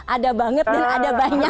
ada banget nih ada banyak